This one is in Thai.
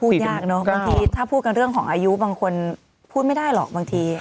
ยากเนอะบางทีถ้าพูดกันเรื่องของอายุบางคนพูดไม่ได้หรอกบางที